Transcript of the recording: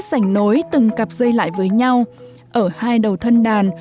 giữ càng dây đàn